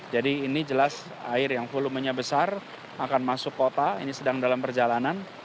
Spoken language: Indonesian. jadi ini jelas air yang volumenya besar akan masuk kota ini sedang dalam perjalanan